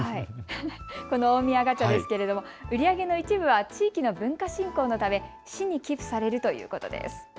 この大宮ガチャ、売り上げの一部は地域の文化振興のため市に寄付されるということです。